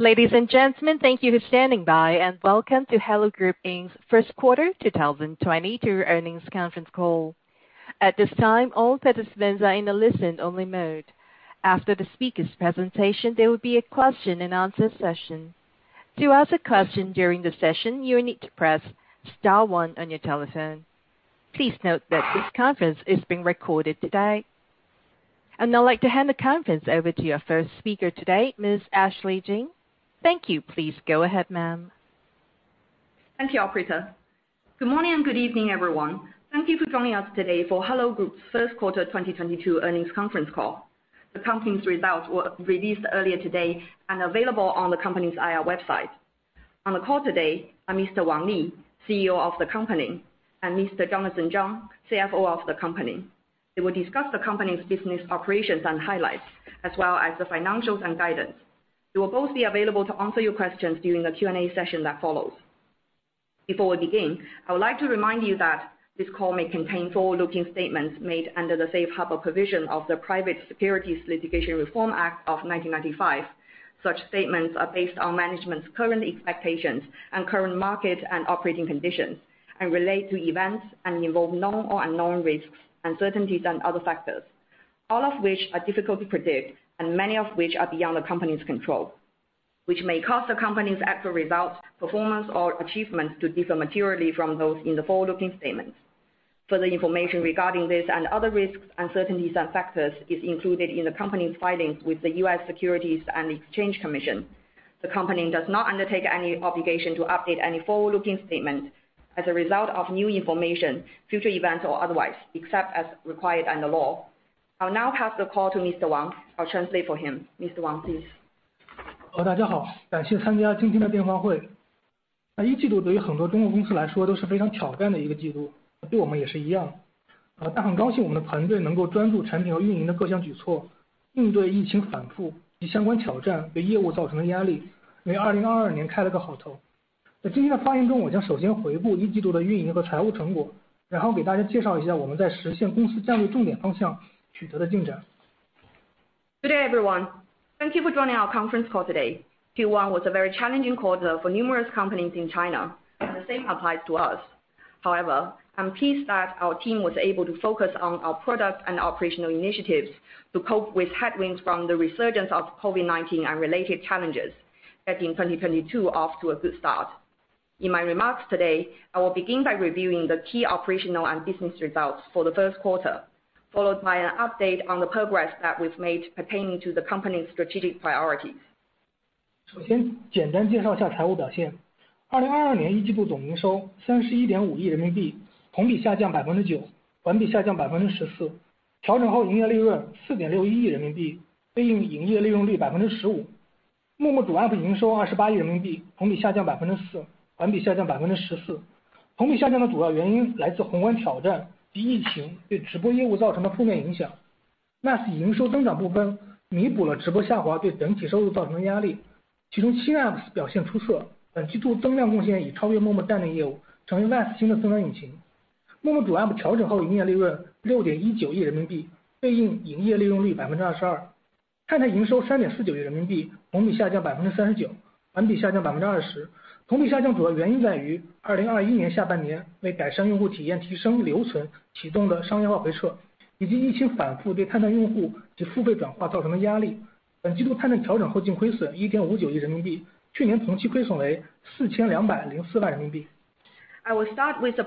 Ladies and gentlemen, thank you for standing by, and welcome to Hello Group Inc's first quarter 2022 earnings conference call. At this time, all participants are in a listen-only mode. After the speaker's presentation, there will be a question-and-answer session. To ask a question during the session, you will need to press star one on your telephone. Please note that this conference is being recorded today. I'd now like to hand the conference over to your first speaker today, Ms. Ashley Jing. Thank you. Please go ahead, Ma'am. Thank you, Operator. Good morning and good evening, everyone. Thank you for joining us today for Hello Group's first quarter 2022 earnings conference call. The company's results were released earlier today and available on the company's IR website. On the call today are Mr. Wang Li, CEO of the company, and Mr. Jonathan Zhang, CFO of the company. They will discuss the company's business operations and highlights as well as the financials and guidance. They will both be available to answer your questions during the Q&A session that follows. Before we begin, I would like to remind you that this call may contain forward-looking statements made under the safe harbor provision of the Private Securities Litigation Reform Act of 1995. Such statements are based on management's current expectations and current market and operating conditions, and relate to events and involve known or unknown risks, uncertainties and other factors, all of which are difficult to predict, and many of which are beyond the company's control, which may cause the company's actual results, performance or achievements to differ materially from those in the forward-looking statements. Further information regarding this and other risks, uncertainties and factors is included in the company's filings with the U.S. Securities and Exchange Commission. The company does not undertake any obligation to update any forward-looking statement as a result of new information, future events, or otherwise, except as required under law. I'll now pass the call to Mr. Wang. I'll translate for him. Mr. Wang, please. Good day, everyone. Thank you for joining our conference call today. Q1 was a very challenging quarter for numerous companies in China. The same applies to us. However, I'm pleased that our team was able to focus on our product and operational initiatives to cope with headwinds from the resurgence of COVID-19 and related challenges, getting 2022 off to a good start. In my remarks today, I will begin by reviewing the key operational and business results for the first quarter, followed by an update on the progress that we've made pertaining to the company's strategic priorities. I will start with a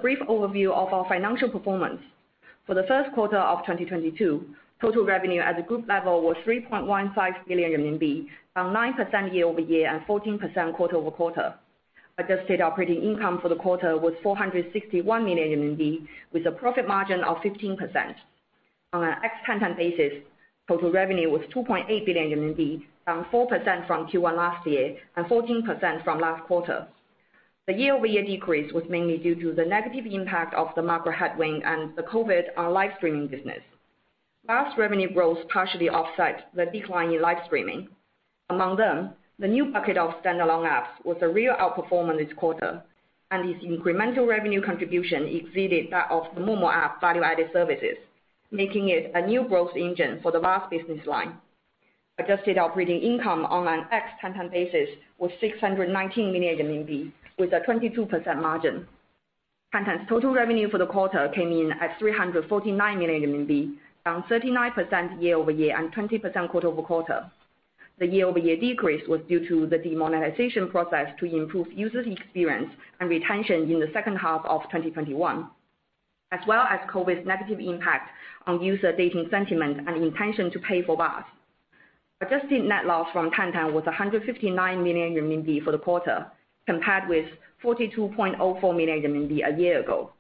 brief overview of our financial performance. For the first quarter of 2022, total revenue at the group level was 3.15 billion RMB, down 9% year-over-year and 14% quarter-over-quarter. Adjusted operating income for the quarter was 461 million RMB, with a profit margin of 15%. On an ex-Tantan basis, total revenue was 2.8 billion RMB, down 4% from Q1 last year and 14% from last quarter. The year-over-year decrease was mainly due to the negative impact of the macro headwind and the COVID on live streaming business. VAS revenue growth partially offset the decline in live streaming. Among them, the new bucket of standalone apps was a real outperformer this quarter, and its incremental revenue contribution exceeded that of the Momo app value-added services, making it a new growth engine for the VAS business line. Adjusted operating income on an ex-Tantan basis was 619 million RMB, with a 22% margin. Tantan's total revenue for the quarter came in at 349 million RMB, down 39% year-over-year, and 20% quarter-over-quarter. The year-over-year decrease was due to the demonetization process to improve users' experience and retention in the second half of 2021, as well as COVID's negative impact on user dating sentiment and intention to pay for VAS. Adjusted net loss from Tantan was 159 million RMB for the quarter, compared with 42.04 million RMB a year ago.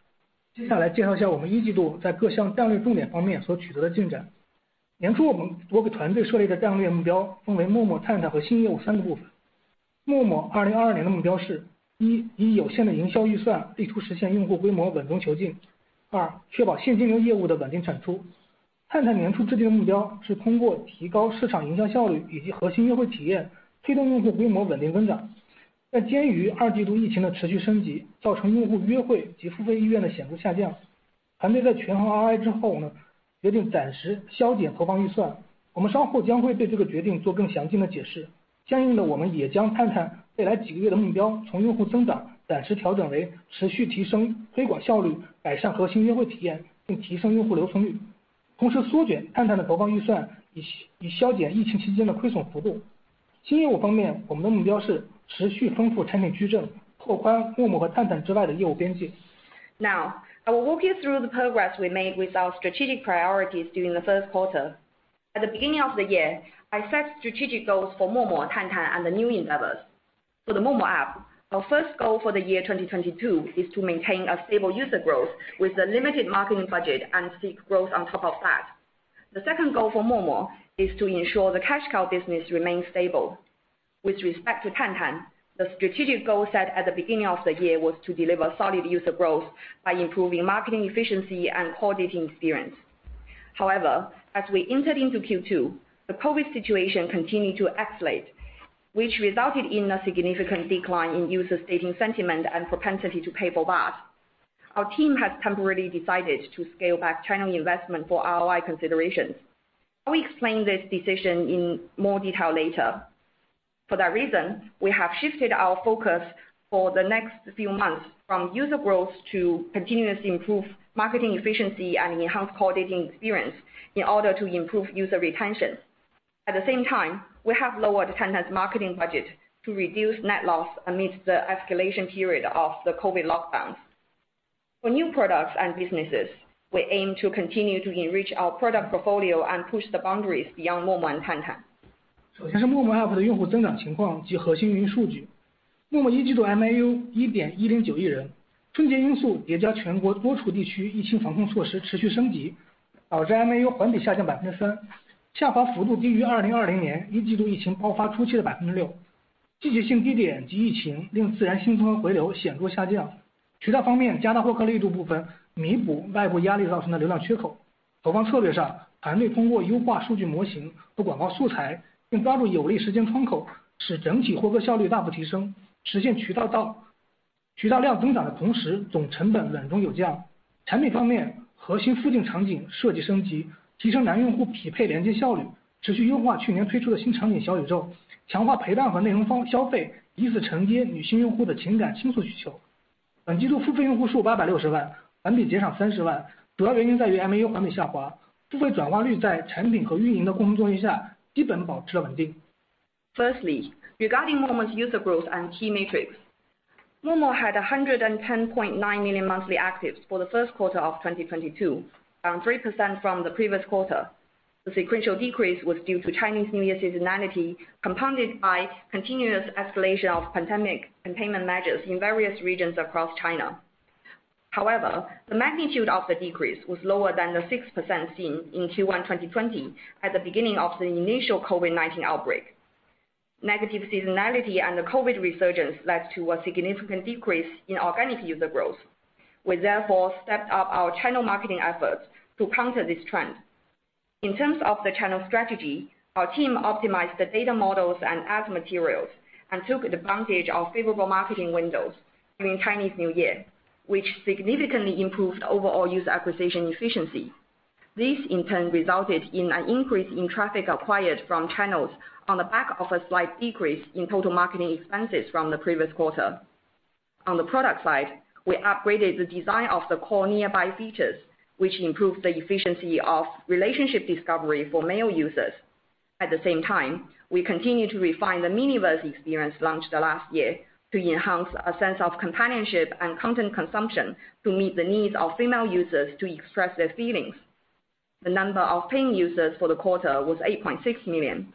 Now, I will walk you through the progress we made with our strategic priorities during the first quarter. At the beginning of the year, I set strategic goals for Momo, Tantan, and the new endeavors. For the Momo app, our first goal for the year 2022 is to maintain a stable user growth with a limited marketing budget and seek growth on top of that. The second goal for Momo is to ensure the cash cow business remains stable. With respect to Tantan, the strategic goal set at the beginning of the year was to deliver solid user growth by improving marketing efficiency and quality experience. However, as we entered into Q2, the COVID-19 situation continued to escalate, which resulted in a significant decline in user spending sentiment and propensity to pay for that. Our team has temporarily decided to scale back channel investment for ROI considerations. I will explain this decision in more detail later. For that reason, we have shifted our focus for the next few months from user growth to continuously improve marketing efficiency and enhance quality experience in order to improve user retention. At the same time, we have lowered Tantan's marketing budget to reduce net loss amidst the escalation period of the COVID lockdowns. For new products and businesses, we aim to continue to enrich our product portfolio and push the boundaries beyond Momo and Tantan. 首先是陌陌APP的用户增长情况及核心运营数据。陌陌一季度MAU Firstly, regarding Momo's user growth and key metrics. Momo had 110.9 million monthly actives for the first quarter of 2022, down 3% from the previous quarter. The sequential decrease was due to Chinese New Year seasonality, compounded by continuous escalation of pandemic containment measures in various regions across China. However, the magnitude of the decrease was lower than the 6% seen in Q1 2020 at the beginning of the initial COVID-19 outbreak. Negative seasonality and the COVID-19 resurgence led to a significant decrease in organic user growth. We therefore stepped up our channel marketing efforts to counter this trend. In terms of the channel strategy, our team optimized the data models and ad materials and took advantage of favorable marketing windows during Chinese New Year, which significantly improved overall user acquisition efficiency. This in turn resulted in an increase in traffic acquired from channels on the back of a slight decrease in total marketing expenses from the previous quarter. On the product side, we upgraded the design of the core nearby features, which improved the efficiency of relationship discovery for male users. At the same time, we continue to refine the Miniverse experience launched last year to enhance a sense of companionship and content consumption to meet the needs of female users to express their feelings. The number of paying users for the quarter was 8.6 million.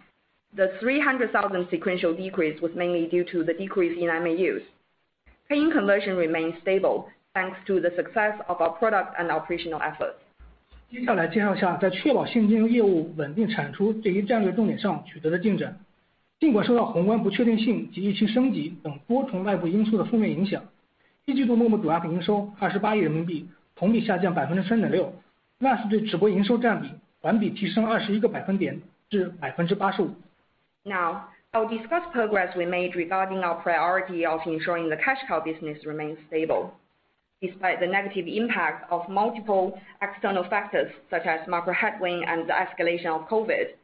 The 300,000 sequential decrease was mainly due to the decrease in MAUs. Paying conversion remained stable thanks to the success of our product and operational efforts. 接下来介绍一下在确保现金业务稳定产出这一战略重点上取得的进展。尽管受到宏观不确定性及疫情升级等多重外部因素的负面影响，一季度陌陌主APP营收28亿人民币，同比下降3.6%。live直播营收占比环比提升21个百分点至85%。Now, I'll discuss progress we made regarding our priority of ensuring the cash cow business remains stable. Despite the negative impact of multiple external factors such as macro headwinds and the escalation of COVID-19.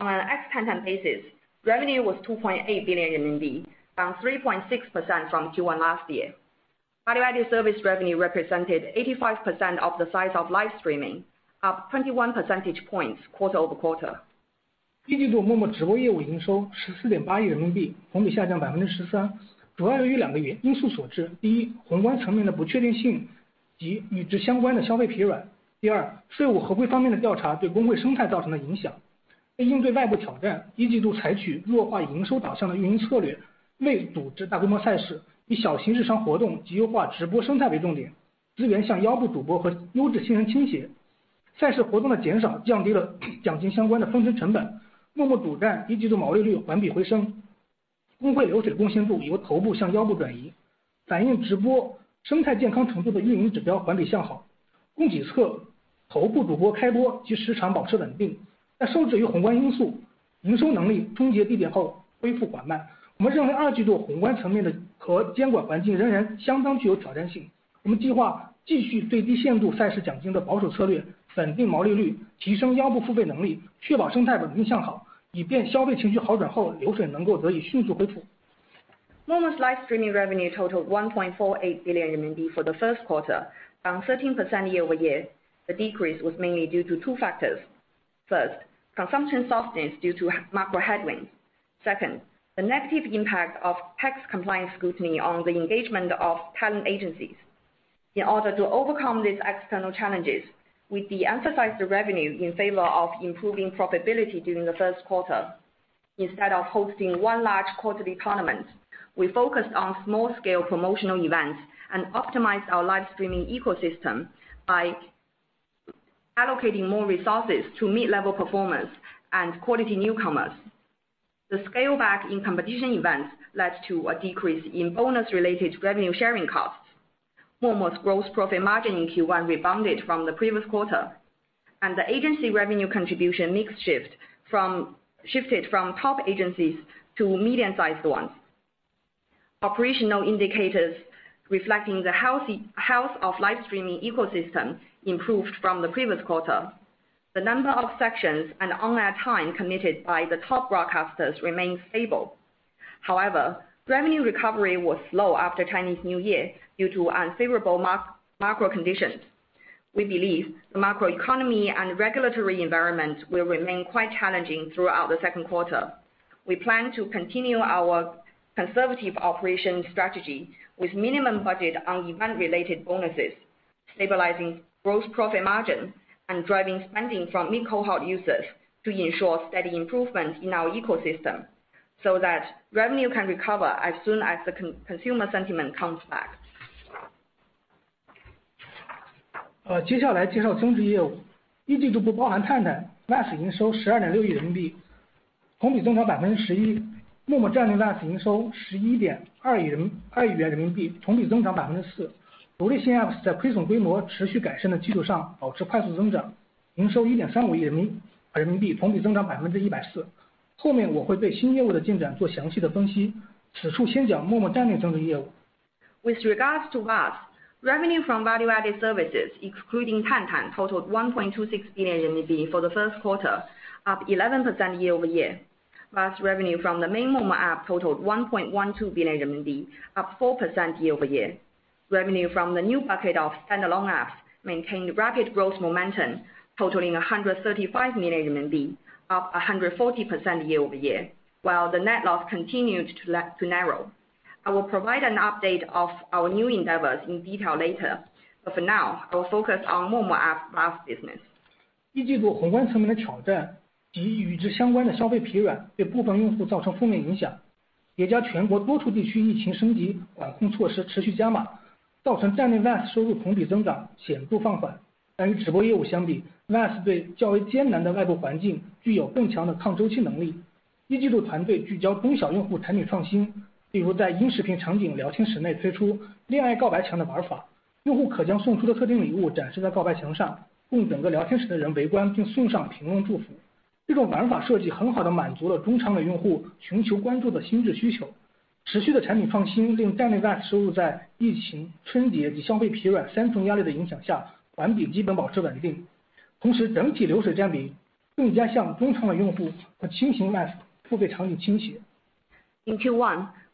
On an ex-Tantan basis, revenue was 2.8 billion RMB, down 3.6% from Q1 last year. Value-added service revenue represented 85% of the size of live streaming, up 21 percentage points quarter-over-quarter. Momo's live streaming revenue totaled RMB 1.48 billion for the first quarter, down 13% year-over-year. The decrease was mainly due to two factors. First, consumption softness due to macro headwinds. Second, the negative impact of tax compliance scrutiny on the engagement of talent agencies. In order to overcome these external challenges, we de-emphasized the revenue in favor of improving profitability during the first quarter. Instead of hosting one large quarterly tournament, we focused on small-scale promotional events and optimized our live streaming ecosystem by allocating more resources to mid-level performers and quality newcomers. The scale back in competition events led to a decrease in bonus-related revenue sharing costs. Momo's gross profit margin in Q1 rebounded from the previous quarter, and the agency revenue contribution mix shifted from top agencies to medium-sized ones. Operational indicators reflecting the health of live streaming ecosystem improved from the previous quarter. The number of sessions and online time committed by the top broadcasters remained stable. However, revenue recovery was slow after Chinese New Year due to unfavorable macro conditions. We believe the macro economy and regulatory environment will remain quite challenging throughout the second quarter. We plan to continue our conservative operation strategy with minimum budget on event related bonuses, stabilizing gross profit margin, and driving spending from mid-cohort users to ensure steady improvement in our ecosystem so that revenue can recover as soon as the consumer sentiment comes back. 接下来介绍增值业务。一季度不包含探探，VAS营收12.6亿人民币，同比增长11%。陌陌战略VAS营收11.2亿元人民币，同比增长4%。独立新APP在推送规模持续改善的基础上，保持快速增长，营收1.35亿人民币，同比增长104%。后面我会对新业务的进展做详细的分析，此处先讲陌陌战略增值业务。With regards to VAS, revenue from value-added services including Tantan totaled 1.26 billion RMB for the first quarter, up 11% year-over-year. VAS revenue from the main Momo app totaled 1.12 billion RMB, up 4% year-over-year. Revenue from the new bucket of standalone apps maintained rapid growth momentum, totaling 135 million RMB, up 140% year-over-year, while the net loss continued to narrow. I will provide an update of our new endeavors in detail later. But for now, I'll focus on Momo app VAS business. In Q1,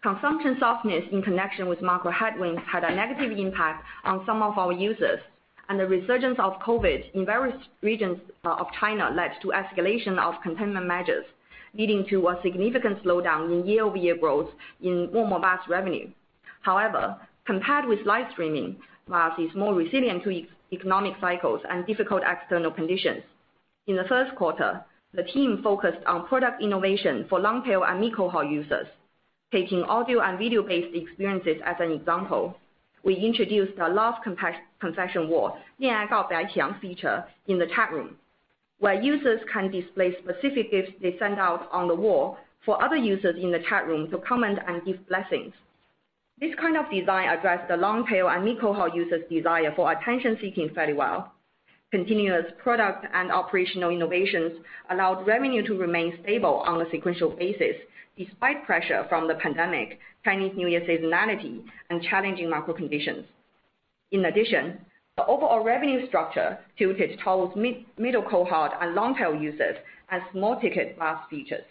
consumption softness in connection with macro headwinds had a negative impact on some of our users, and the resurgence of COVID in various regions of China led to escalation of containment measures, leading to a significant slowdown in year-over-year growth in revenue. However, compared with live streaming, VAS is more resilient to economic cycles and difficult external conditions. In the first quarter, the team focused on product innovation for long tail and mid-cohort users. Taking audio and video based experiences as an example, we introduced the Love Confession Wall, 恋爱告白墙 feature in the chat room, where users can display specific gifts they send out on the wall for other users in the chat room to comment and give blessings. This kind of design addressed the long tail and mid-cohort users desire for attention seeking fairly well. Continuous product and operational innovations allowed revenue to remain stable on a sequential basis, despite pressure from the pandemic, Chinese New Year seasonality, and challenging macro conditions. In addition, the overall revenue structure tilted towards mid, middle cohort and long tail users and small ticket VAS features.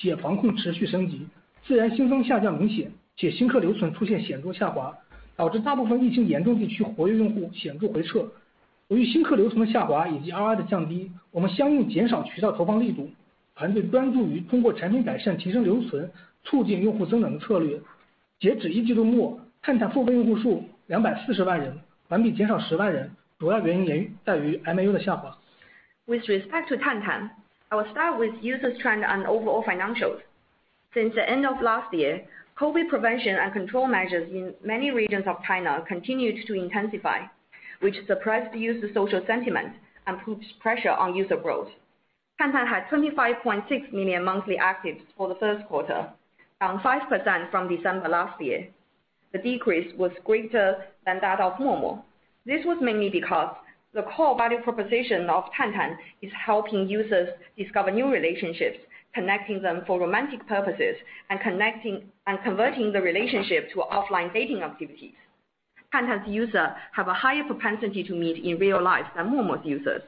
With respect to Tantan, I will start with user trends and overall financials. Since the end of last year, COVID prevention and control measures in many regions of China continued to intensify, which suppressed users' social sentiment and put pressure on user growth. Tantan had 25.6 million monthly actives for the first quarter, down 5% from December last year. The decrease was greater than that of Momo. This was mainly because the core value proposition of Tantan is helping users discover new relationships, connecting them for romantic purposes, and connecting and converting the relationship to offline dating activities. Tantan's users have a higher propensity to meet in real life than Momo's users.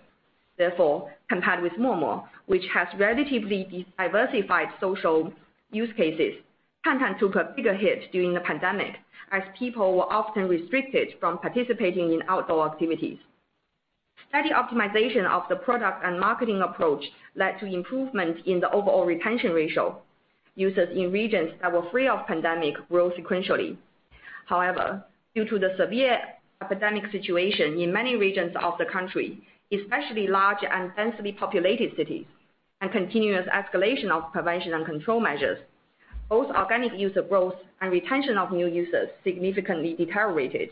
Therefore, compared with Momo, which has relatively diversified social use cases, Tantan took a bigger hit during the pandemic, as people were often restricted from participating in outdoor activities. Steady optimization of the product and marketing approach led to improvement in the overall retention ratio. Users in regions that were free of pandemic grew sequentially. However, due to the severe epidemic situation in many regions of the country, especially large and densely populated cities, and continuous escalation of prevention and control measures, both organic user growth and retention of new users significantly deteriorated,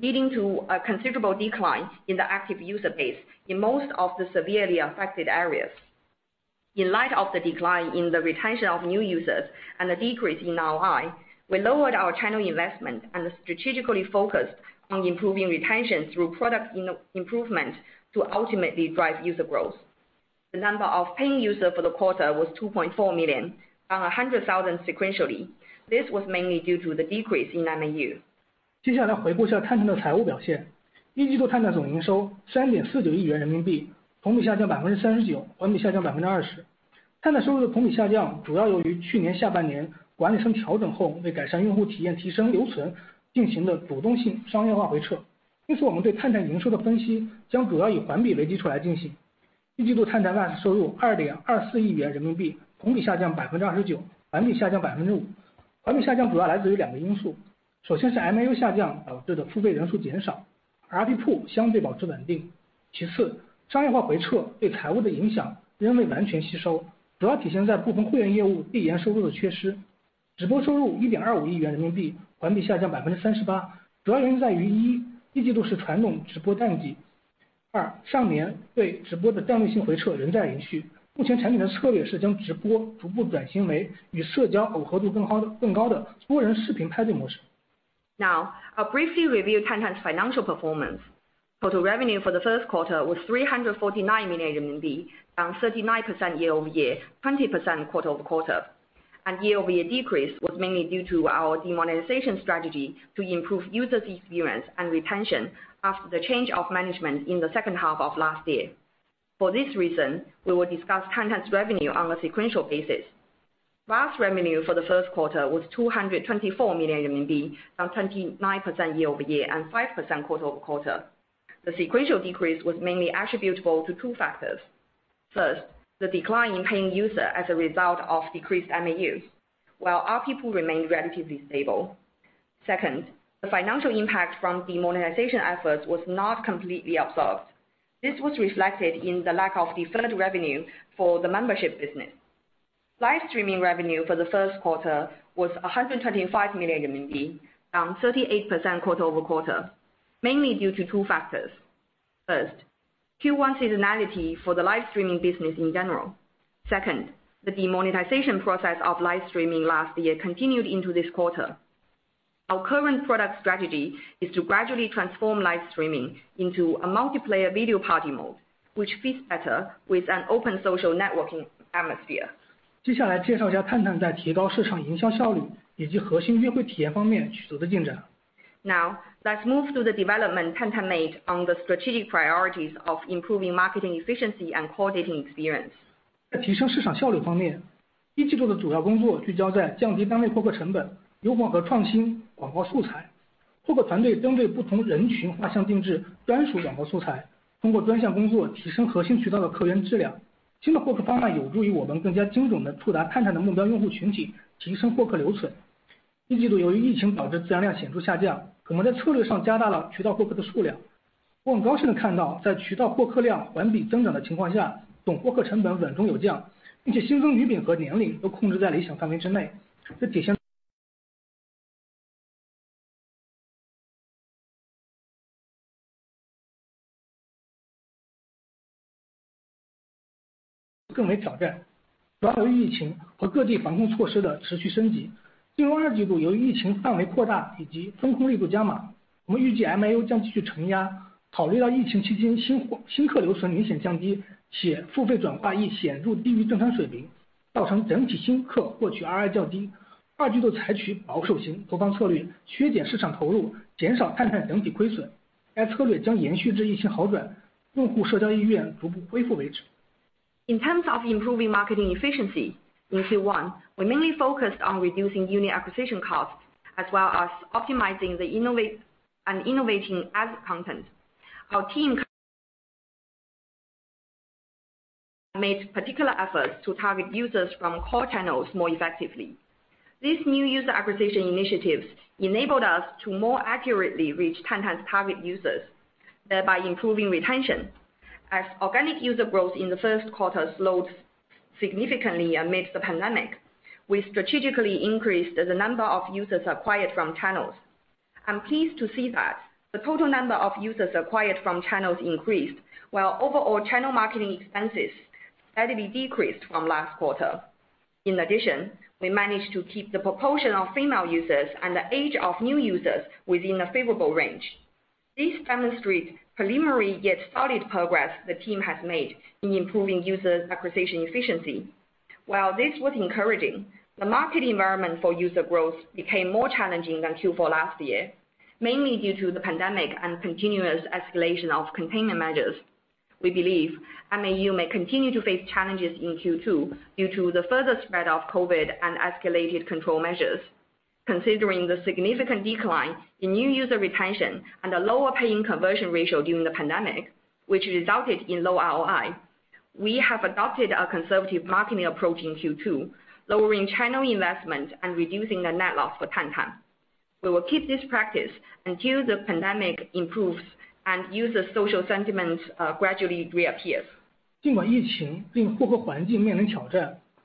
leading to a considerable decline in the active user base in most of the severely affected areas. In light of the decline in the retention of new users and the decrease in our eyeballs, we lowered our channel investment and strategically focused on improving retention through product improvement to ultimately drive user growth. The number of paying user for the quarter was 2.4 million, down 100,000 sequentially. This was mainly due to the decrease in MAU. Now, I'll briefly review Tantan's financial performance. Total revenue for the first quarter was 349 million RMB, down 39% year-over-year, 20% quarter-over-quarter. Year-over-year decrease was mainly due to our demonetization strategy to improve user experience and retention after the change of management in the second half of last year. For this reason, we will discuss Tantan's revenue on a sequential basis. Live revenue for the first quarter was 224 million RMB, down 29% year-over-year, and 5% quarter-over-quarter. The sequential decrease was mainly attributable to two factors. First, the decline in paying users as a result of decreased MAU, while ARPU remained relatively stable. Second, the financial impact from demonetization efforts was not completely absorbed. This was reflected in the lack of deferred revenue for the membership business. Live streaming revenue for the first quarter was 125 million RMB, down 38% quarter-over-quarter, mainly due to two factors. First, Q1 seasonality for the live streaming business in general. Second, the demonetization process of live streaming last year continued into this quarter. Our current product strategy is to gradually transform live streaming into a multiplayer video party mode, which fits better with an open social networking atmosphere. 接下来介绍一下探探在提高市场营销效率以及核心约会体验方面取得的进展。Now, let's move to the development Tantan made on the strategic priorities of improving marketing efficiency and core dating experience. In terms of improving marketing efficiency, in Q1, we mainly focused on reducing user acquisition costs as well as optimizing the innovative and innovating ad content. Our team made particular efforts to target users from core channels more effectively. This new user acquisition initiatives enabled us to more accurately reach Tantan's target users, thereby improving retention. As organic user growth in the first quarter slowed significantly amidst the pandemic, we strategically increased the number of users acquired from channels. I'm pleased to see that the total number of users acquired from channels increased, while overall channel marketing expenses slightly decreased from last quarter. In addition, we managed to keep the proportion of female users and the age of new users within a favorable range. This demonstrates preliminary yet solid progress the team has made in improving user acquisition efficiency. While this was encouraging, the market environment for user growth became more challenging than Q4 last year, mainly due to the pandemic and continuous escalation of containment measures. We believe MAU may continue to face challenges in Q2 due to the further spread of COVID and escalated control measures. Considering the significant decline in new user retention and the lower paying conversion ratio during the pandemic, which resulted in low ROI, we have adopted a conservative marketing approach in Q2, lowering channel investment and reducing the net loss for Tantan. We will keep this practice until the pandemic improves and user social sentiments gradually reappears.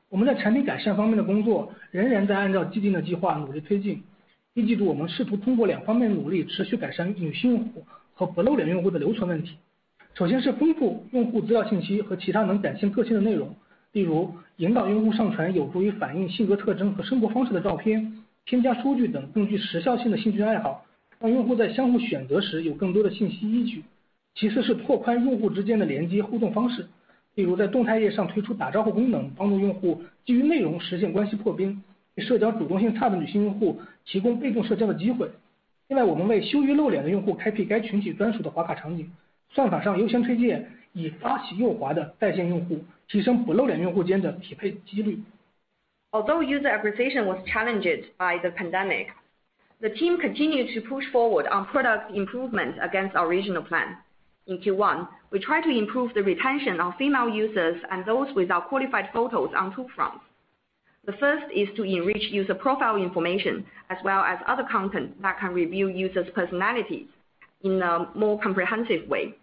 尽管疫情并获客环境面临挑战，我们在产品改善方面的工作仍然在按照既定的计划努力推进。一季度我们试图通过两方面努力，持续改善女性用户和不露脸用户的流失问题。首先是丰富用户资料信息和其他能展现个性的内容，例如引导用户上传有助于反映性格特征和生活方式的照片，添加书剧等更具时效性的兴趣爱好，让用户在相互选择时有更多的信息依据。其次是拓宽用户之间的连接互动方式，例如在动态页上推出打招呼功能，帮助用户基于内容实现关系破冰，给社交主动性差的女性用户提供被动社交的机会。另外，我们为羞于露脸的用户开辟该群体专属的滑卡场景，算法上优先推荐已发起右滑的在线用户，提升不露脸用户间的匹配几率。Although user acquisition was challenged by the pandemic, the team continued to push forward on product improvement against our original plan. In Q1, we tried to improve the retention of female users and those without qualified photos on two fronts. The first is to enrich user profile information as well as other content that can reveal users' personalities in a more comprehensive way.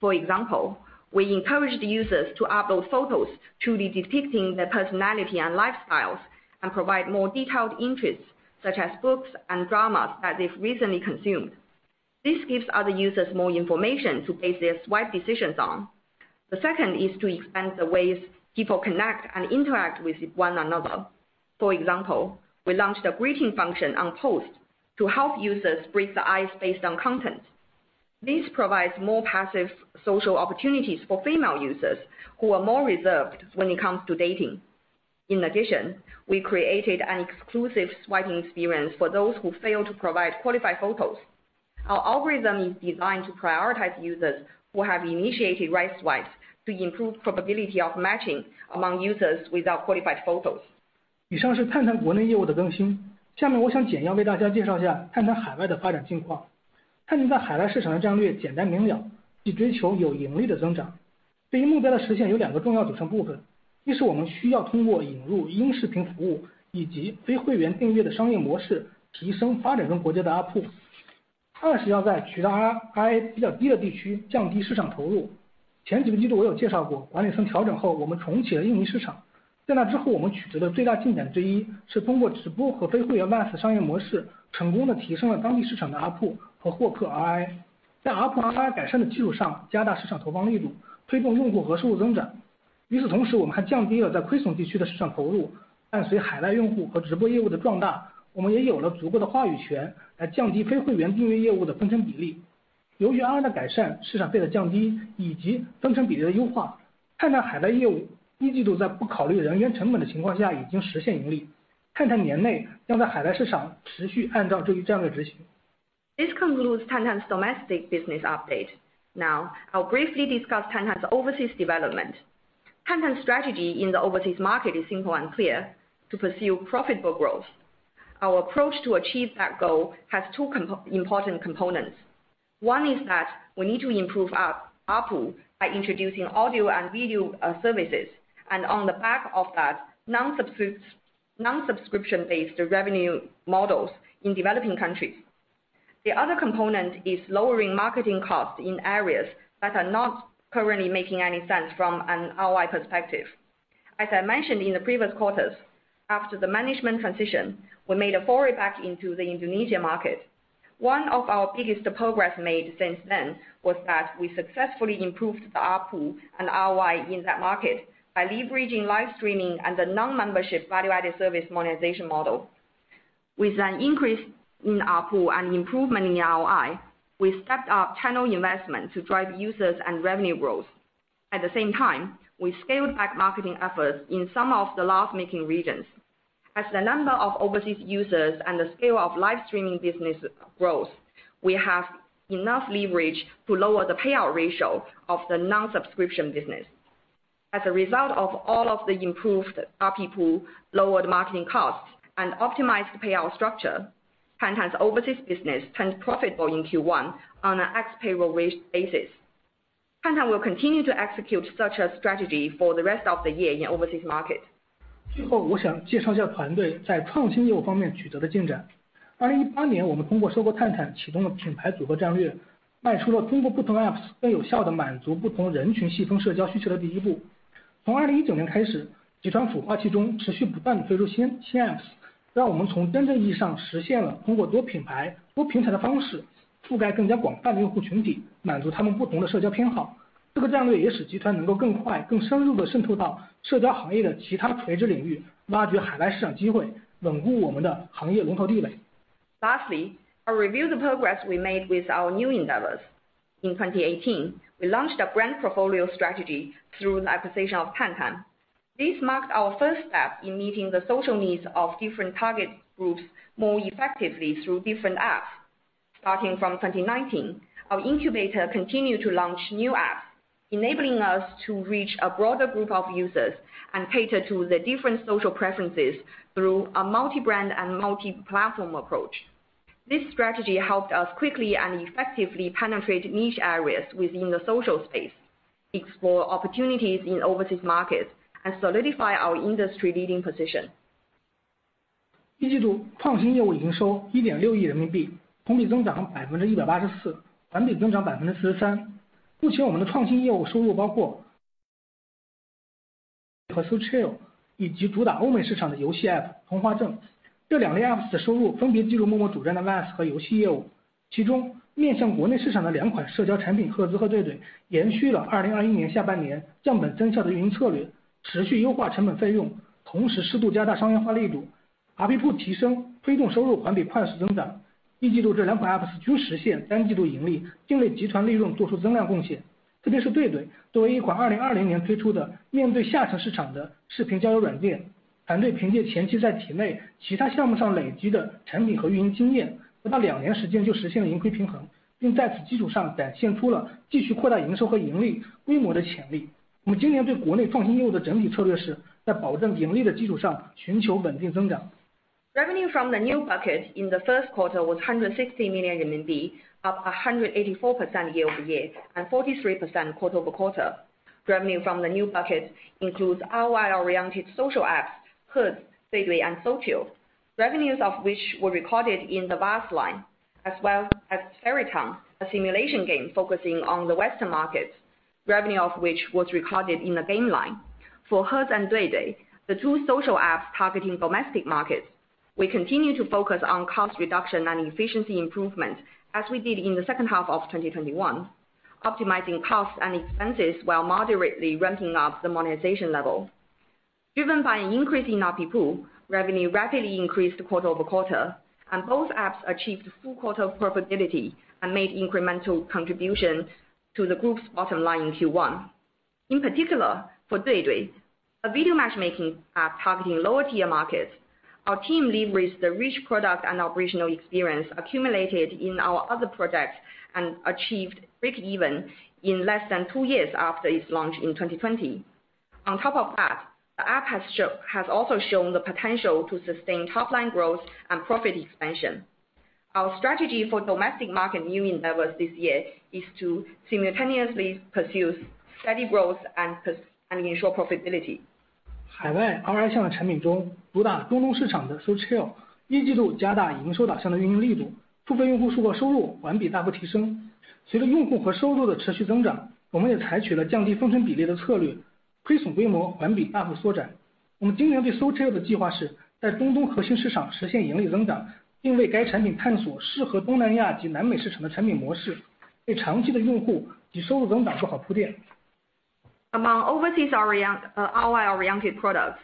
For example, we encourage the users to upload photos truly depicting their personality and lifestyles and provide more detailed interests, such as books and dramas that they've recently consumed. This gives other users more information to base their swipe decisions on. The second is to expand the ways people connect and interact with one another. For example, we launched a greeting function on post to help users break the ice based on content. This provides more passive social opportunities for female users who are more reserved when it comes to dating. In addition, we created an exclusive swiping experience for those who fail to provide qualified photos. Our algorithm is designed to prioritize users who have initiated right swipes to improve probability of matching among users without qualified photos. This concludes Tantan's domestic business update. Now, I'll briefly discuss Tantan's overseas development. Tantan's strategy in the overseas market is simple and clear: to pursue profitable growth. Our approach to achieve that goal has two important components. One is that we need to improve our ARPU by introducing audio and video services, and on the back of that, non-subscription based revenue models in developing countries. The other component is lowering marketing costs in areas that are not currently making any sense from an ROI perspective. As I mentioned in the previous quarters, after the management transition, we made a foray back into the Indonesia market. One of our biggest progress made since then was that we successfully improved the ARPU and ROI in that market by leveraging live streaming and the non-membership value added service monetization model. With an increase in ARPU and improvement in ROI, we stepped up channel investment to drive users and revenue growth. At the same time, we scaled back marketing efforts in some of the loss-making regions. As the number of overseas users and the scale of live streaming business grows, we have enough leverage to lower the payout ratio of the non-subscription business. As a result of all of the improved ARPU, lowered marketing costs, and optimized payout structure, Tantan's overseas business turned profitable in Q1 on an ex-payroll basis. Tantan will continue to execute such a strategy for the rest of the year in overseas market. 最后我想介绍下团队在创新业务方面取得的进展。2018年，我们通过收购探探，启动了品牌组合战略，迈出了通过不同apps更有效地满足不同人群细分社交需求的第一步。从2019年开始，集团孵化器中持续不断地推出新apps，让我们从真正意义上实现了通过多品牌多平台的方式覆盖更加广泛的用户群体，满足他们不同的社交偏好。这个战略也使集团能够更快更深入地渗透到社交行业的其他垂直领域，挖掘海外市场机会，稳固我们的行业龙头地位。Lastly, I'll review the progress we made with our new endeavors. In 2018, we launched a brand portfolio strategy through the acquisition of Tantan. This marked our first step in meeting the social needs of different target groups more effectively through different apps. Starting from 2019, our incubator continued to launch new apps, enabling us to reach a broader group of users and cater to the different social preferences through a multi-brand and multi-platform approach. This strategy helped us quickly and effectively penetrate niche areas within the social space, explore opportunities in overseas markets, and solidify our industry-leading position. Revenue from the new bucket in the first quarter was 160 million RMB, up 184% year-over-year, and 43% quarter-over-quarter. Revenue from the new bucket includes ROI-oriented social apps Hertz, Duidui, and SoulChill. Revenues of which were recorded in the VAS line, as well as Fairytown, a simulation game focusing on the Western markets, revenue of which was recorded in the game line. For Hertz and Duidui, the two social apps targeting domestic markets, we continue to focus on cost reduction and efficiency improvement, as we did in the second half of 2021, optimizing costs and expenses while moderately ramping up the monetization level. Driven by an increase in ARPU, revenue rapidly increased quarter-over-quarter, and both apps achieved full quarter profitability and made incremental contributions to the group's bottom line in Q1. In particular, for Duidui, a video matchmaking app targeting lower tier markets, our team leveraged the rich product and operational experience accumulated in our other products and achieved breakeven in less than two years after its launch in 2020. On top of that, the app has also shown the potential to sustain top-line growth and profit expansion. Our strategy for domestic market new endeavors this year is to simultaneously pursue steady growth and ensure profitability. Among overseas ROI oriented products,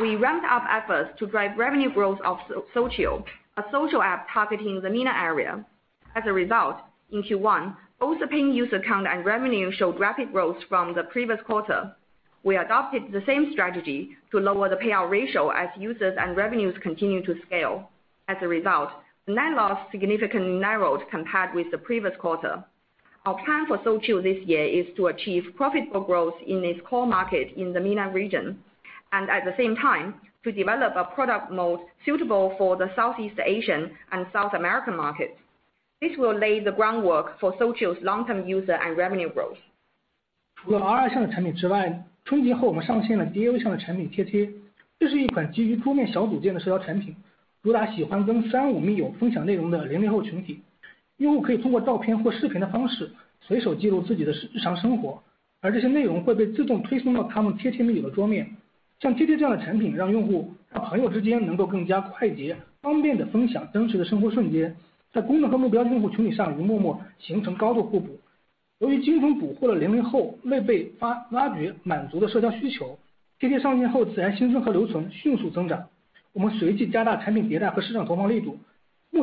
we ramped up efforts to drive revenue growth of SoulChill, a social app targeting the MENA area. As a result, in Q1, both the paying user count and revenue showed rapid growth from the previous quarter. We adopted the same strategy to lower the payout ratio as users and revenues continue to scale. As a result, net loss significantly narrowed compared with the previous quarter. Our plan for SoulChill this year is to achieve profitable growth in its core market in the MENA region, and at the same time, to develop a product mode suitable for the Southeast Asian and South American markets. This will lay the groundwork for SoulChill's long-term user and revenue growth. In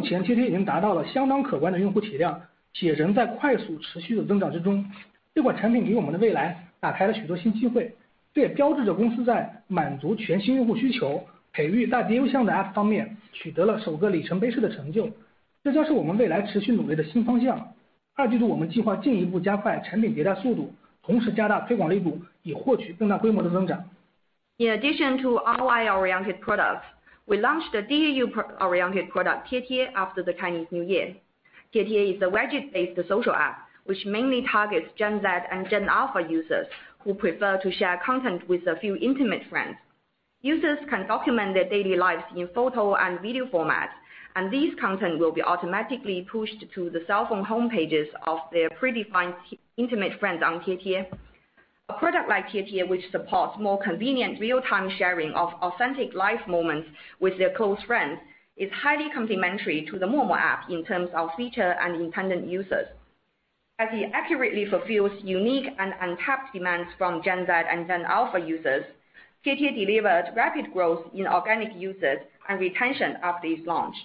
addition to ROI oriented products, we launched the DAU pro-oriented product, Tietie, after the Chinese New Year. Tietie is a widget-based social app, which mainly targets Gen Z and Gen Alpha users who prefer to share content with a few intimate friends. Users can document their daily lives in photo and video format, and this content will be automatically pushed to the cell phone home pages of their predefined intimate friends on Tietie. A product like Tietie, which supports more convenient real-time sharing of authentic life moments with their close friends, is highly complementary to the Momo app in terms of feature and independent users. As it accurately fulfills unique and untapped demands from Gen Z and Gen Alpha users, Tietie delivered rapid growth in organic users and retention after its launch.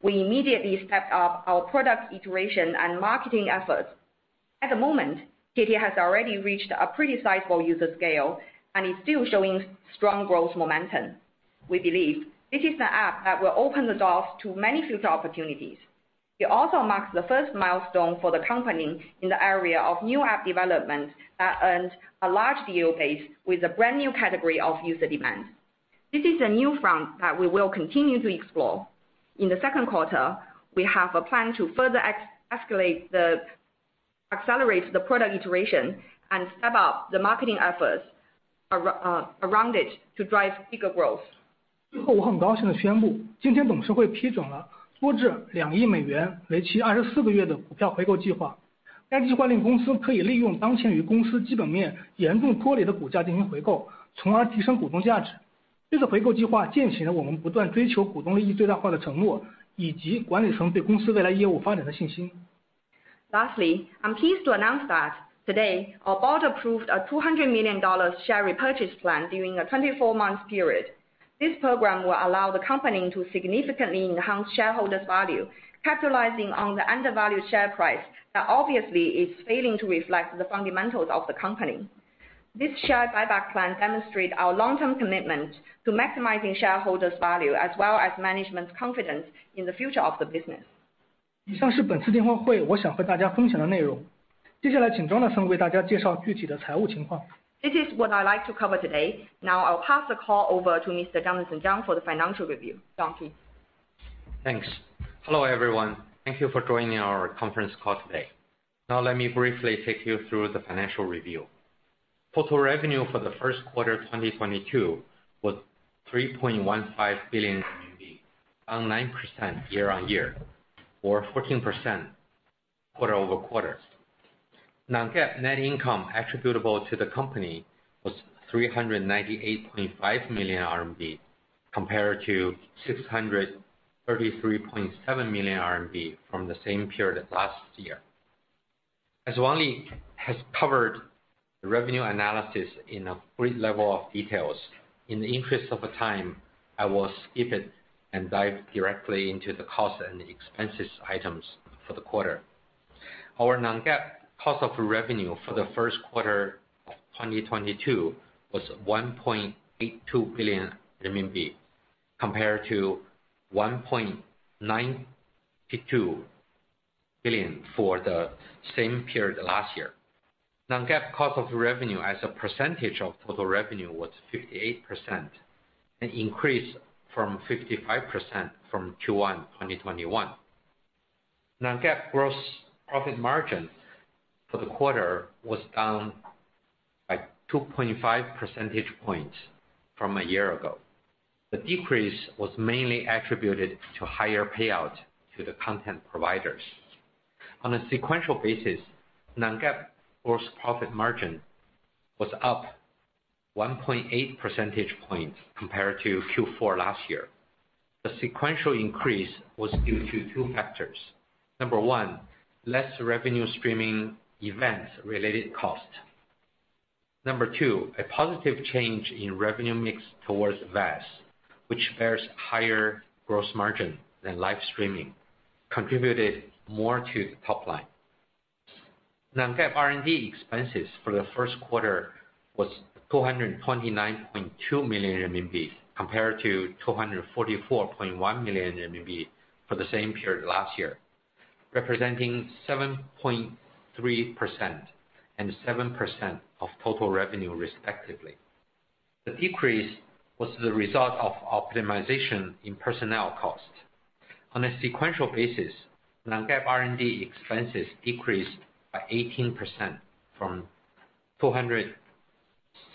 We immediately stepped up our product iteration and marketing efforts. At the moment, Tietie has already reached a pretty sizable user scale, and it's still showing strong growth momentum. We believe this is the app that will open the doors to many future opportunities. It also marks the first milestone for the company in the area of new app development that earns a large deal base with a brand new category of user demand. This is a new front that we will continue to explore. In the second quarter, we have a plan to further accelerate the product iteration, and step up the marketing efforts around it to drive bigger growth. 最后，我很高兴地宣布，今天董事会批准了多至两亿美元为期二十四个月的股票回购计划。该计划令公司可以利用当前与公司基本面严重脱离的股价进行回购，从而提升股东价值。这次回购计划践行了我们不断追求股东利益最大化的承诺，以及管理层对公司未来业务发展的信心。Lastly, I'm pleased to announce that today, our board approved a $200 million share repurchase plan during a 24-month period. This program will allow the company to significantly enhance shareholders value, capitalizing on the undervalued share price that obviously is failing to reflect the fundamentals of the company. This share buyback plan demonstrate our long-term commitment to maximizing shareholders value, as well as management's confidence in the future of the business. 以上是本次电话会我想和大家分享的内容。接下来请Jonathan为大家介绍具体的财务情况。This is what I'd like to cover today. Now, I'll pass the call over to Mr. Jonathan Zhang for the financial review. Thank you. Thanks. Hello, everyone. Thank you for joining our conference call today. Now, let me briefly take you through the financial review. Total revenue for the first quarter 2022 was RMB 3.15 billion, up 9% year-on-year, or 14% quarter-over-quarter. Non-GAAP net income attributable to the company was 398.5 million RMB compared to 633.7 million RMB from the same period last year. As Wang Li has covered the revenue analysis in a great level of details, in the interest of time, I will skip it and dive directly into the cost and expenses items for the quarter. Our non-GAAP cost of revenue for the first quarter of 2022 was 1.82 billion RMB, compared to 1.92 billion for the same period last year. Non-GAAP cost of revenue as a percentage of total revenue was 58%, an increase from 55% from Q1 2021. Non-GAAP gross profit margin for the quarter was down by 2.5 percentage points from a year ago. The decrease was mainly attributed to higher payout to the content providers. On a sequential basis, non-GAAP gross profit margin was up 1.8 percentage points compared to Q4 last year. The sequential increase was due to two factors. Number one, less revenue streaming events related cost. Number two, a positive change in revenue mix towards VAS, which bears higher gross margin than live streaming, contributed more to the top line. Non-GAAP R&D expenses for the first quarter was 229.2 million RMB, compared to 244.1 million RMB for the same period last year, representing 7.3% and 7% of total revenue, respectively. The decrease was the result of optimization in personnel cost. On a sequential basis, non-GAAP R&D expenses decreased by 18% from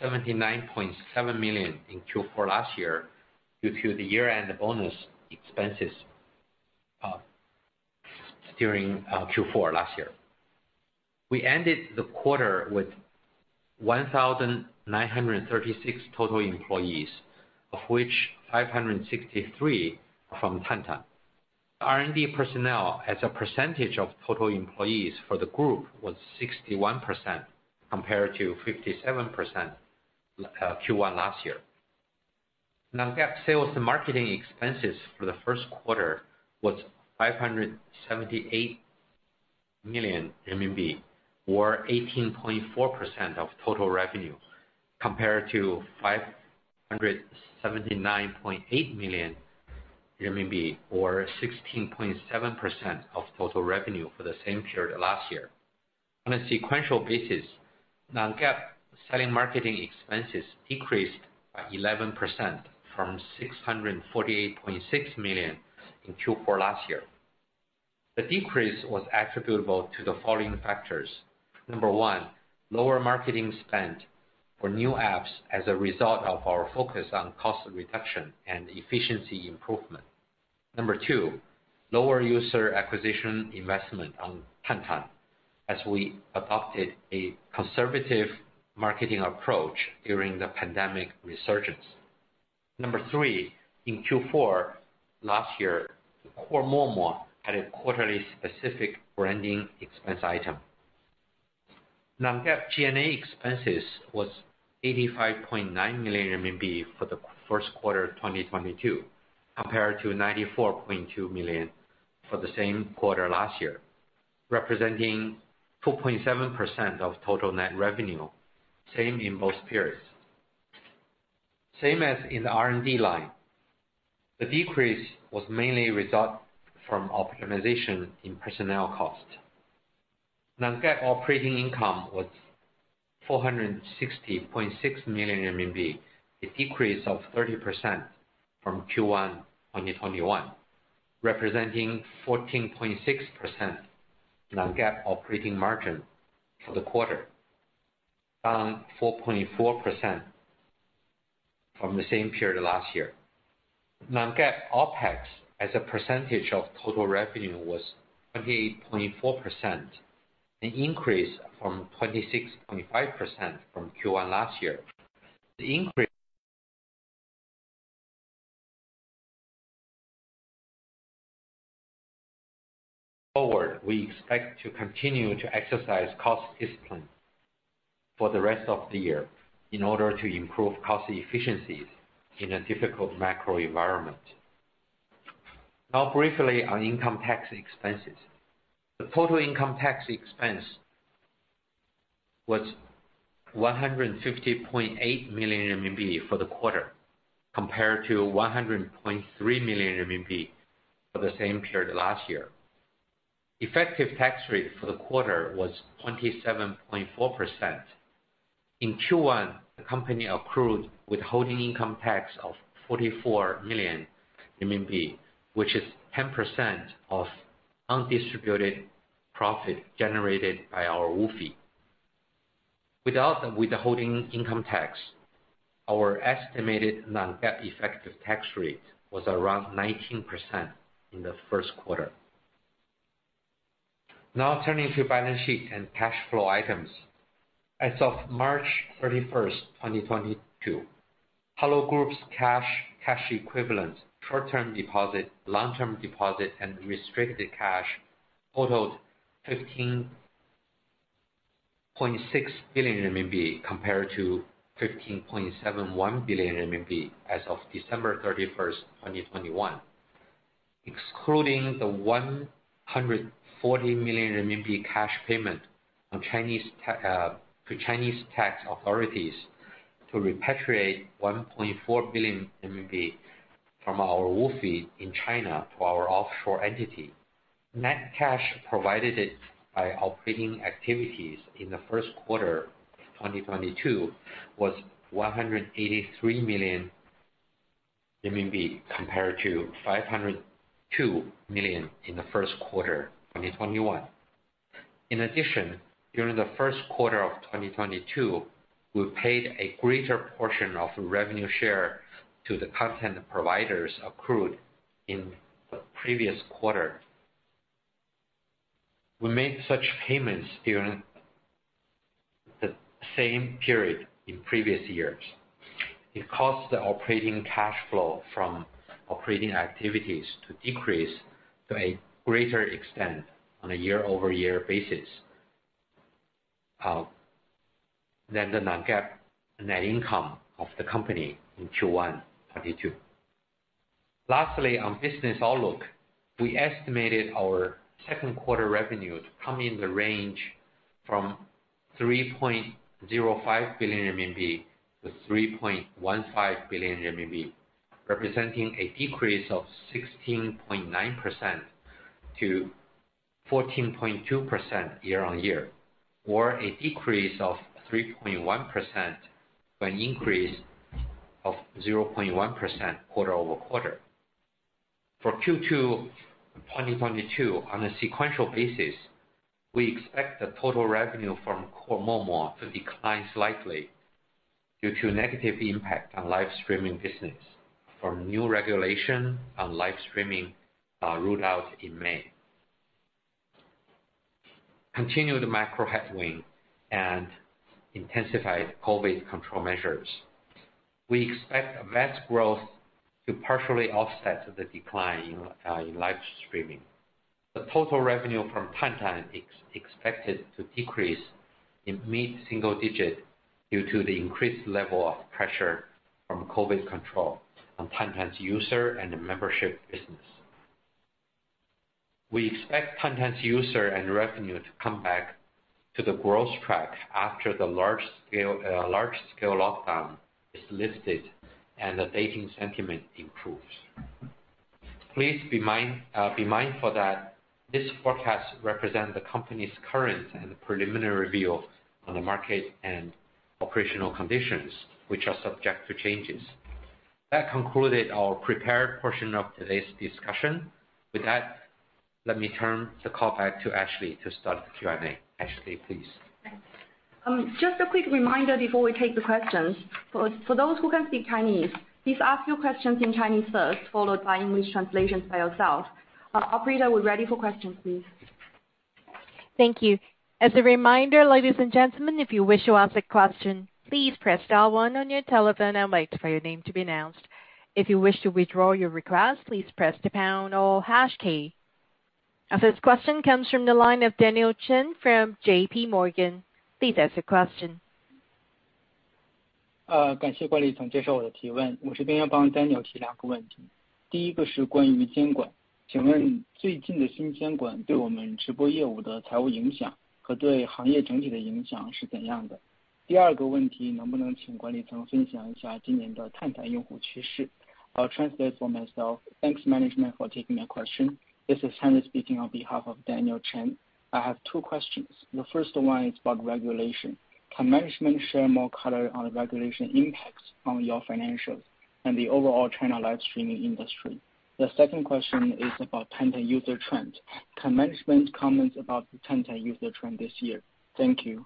279.7 million in Q4 last year due to the year-end bonus expenses, during Q4 last year. We ended the quarter with 1,936 total employees, of which 563 are from Tantan. R&D personnel as a percentage of total employees for the group was 61% compared to 57%, Q1 last year. Non-GAAP sales and marketing expenses for the first quarter was 578 million RMB, or 18.4% of total revenue, compared to 579.8 million RMB, or 16.7% of total revenue for the same period last year. On a sequential basis, Non-GAAP sales and marketing expenses decreased by 11% from 648.6 million in Q4 last year. The decrease was attributable to the following factors. Number one, lower marketing spend for new apps as a result of our focus on cost reduction and efficiency improvement. Number two, lower user acquisition investment on Tantan, as we adopted a conservative marketing approach during the pandemic resurgence. Number three, in Q4 last year, the core Momo had a quarterly specific branding expense item. Non-GAAP G&A expenses was 85.9 million RMB for the first quarter of 2022, compared to 94.2 million for the same quarter last year, representing 2.7% of total net revenue, same in both periods. Same as in the R&D line. The decrease was mainly a result of optimization in personnel costs. Non-GAAP operating income was 460.6 million RMB, a decrease of 30% from Q1 2021, representing 14.6% non-GAAP operating margin for the quarter, down 4.4% from the same period last year. Non-GAAP OpEx as a percentage of total revenue was 28.4%, an increase from 26.5% from Q1 last year. The increase- ...forward, we expect to continue to exercise cost discipline for the rest of the year in order to improve cost efficiencies in a difficult macro environment. Now, briefly on income tax expenses. The total income tax expense was 150.8 million RMB for the quarter, compared to 100.3 million RMB for the same period last year. Effective tax rate for the quarter was 27.4%. In Q1, the company accrued withholding income tax of 44 million RMB, which is 10% of undistributed profit generated by our WOFE. Without the withholding income tax, our estimated Non-GAAP effective tax rate was around 19% in the first quarter. Now turning to balance sheet and cash flow items. As of March 31st, 2022, Hello Group's cash equivalents, short-term deposits, long-term deposits and restricted cash totaled 15.6 billion RMB, compared to 15.71 billion RMB as of December 31st, 2021. Excluding the 140 million RMB cash payment to Chinese tax authorities to repatriate 1.4 billion from our WOFE in China to our offshore entity. Net cash provided by operating activities in the first quarter of 2022 was 183 million RMB compared to 502 million in the first quarter 2021. In addition, during the first quarter of 2022, we paid a greater portion of revenue share to the content providers accrued in the previous quarter. We made such payments during the same period in previous years. It caused the operating cash flow from operating activities to decrease to a greater extent on a year-over-year basis than the Non-GAAP net income of the company in Q1 2022. Lastly, on business outlook, we estimated our second quarter revenue to come in the range from 3.05 billion RMB to 3.15 billion RMB, representing a decrease of 16.9% to 14.2% year-on-year, or a decrease of 3.1% to an increase of 0.1% quarter-over-quarter. For Q2 2022 on a sequential basis, we expect the total revenue from core Momo to decline slightly due to negative impact on live streaming business from new regulation on live streaming rolled out in May. Continued macro headwind and intensified COVID control measures. We expect event growth to partially offset the decline in live streaming. The total revenue from Tantan is expected to decrease in mid-single digit due to the increased level of pressure from COVID control on Tantan's user and membership business. We expect content user and revenue to come back to the growth track after the large scale lockdown is lifted and the dating sentiment improves. Please be mindful that this forecast represents the company's current and preliminary view on the market and operational conditions, which are subject to changes. That concluded our prepared portion of today's discussion. With that, let me turn the call back to Ashley to start the Q&A. Ashley, please. Thanks. Just a quick reminder before we take the questions. For those who can speak Chinese, please ask your questions in Chinese first, followed by English translations by ourselves. Operator, we're ready for questions, please. Thank you. As a reminder, ladies and gentlemen, if you wish to ask a question, please press star one on your telephone and wait for your name to be announced. If you wish to withdraw your request, please press the pound or hash key. Our first question comes from the line of Daniel Chen from J.P. Morgan. Please ask your question. I'll translate for myself. Thanks, management for taking my question. This is Henry speaking on behalf of Daniel Chen. I have two questions. The first one is about regulation. Can management share more color on the regulation impacts on your financials and the overall China live streaming industry? The second question is about Tantan user trends. Can management comment about the Tantan user trend this year? Thank you.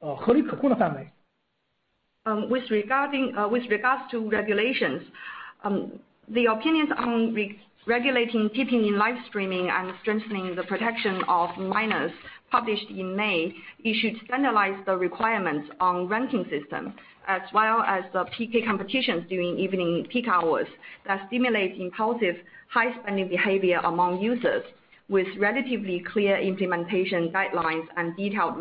With regards to regulations, the opinions on re-regulating gifting in live streaming and strengthening the protection of minors published in May, it should standardize the requirements on ranking system as well as the PK competitions during evening peak hours that stimulate impulsive high spending behavior among users with relatively clear implementation guidelines and detailed